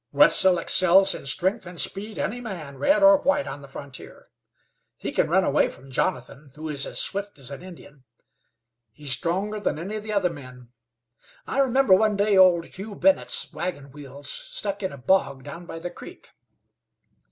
"Wetzel excels in strength and speed any man, red or white, on the frontier. He can run away from Jonathan, who is as swift as an Indian. He's stronger than any of the other men. I remember one day old Hugh Bennet's wagon wheels stuck in a bog down by the creek.